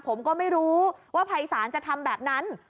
ผมก็ไม่รู้ว่าภัยศาลจะทำแบบนั้น